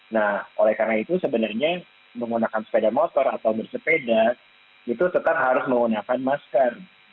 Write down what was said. nah oleh karena itu sebenarnya menggunakan sepeda motor atau bersepeda itu tetap harus menggunakan masker